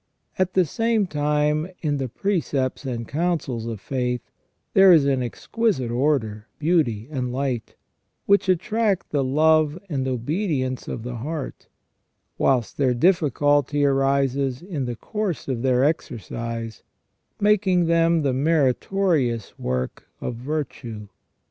At the same time, in the precepts and councils of faith there is an exquisite order, beauty, and light, which attract the love and obedience of the heart ; whilst their difficulty arises in the course of their exercise, making them the meritorious work of virtue.